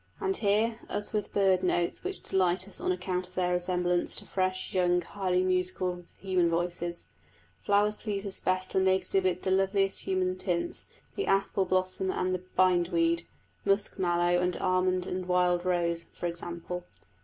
And here, as with bird notes which delight us on account of their resemblance to fresh, young, highly musical human voices, flowers please us best when they exhibit the loveliest human tints the apple blossom and the bindweed, musk mallow and almond and wild rose, for example.